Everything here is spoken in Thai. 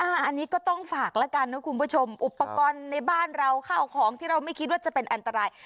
อันนี้ก็ต้องฝากแล้วกันนะคุณผู้ชมอุปกรณ์ในบ้านเราข้าวของที่เราไม่คิดว่าจะเป็นอันตราย